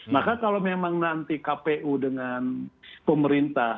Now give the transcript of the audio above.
maka kalau memang nanti kpu dengan pemerintah